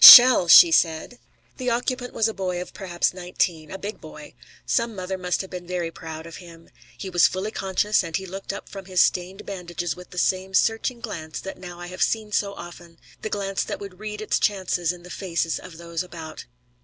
"Shell!" she said. The occupant was a boy of perhaps nineteen a big boy. Some mother must have been very proud of him. He was fully conscious, and he looked up from his stained bandages with the same searching glance that now I have seen so often the glance that would read its chances in the faces of those about.